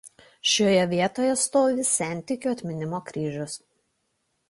Šioje vietoje stovi sentikių atminimo kryžius.